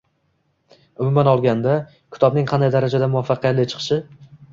Umuman olganda, kitobning qay darajada muvaffaqiyatli chiqishi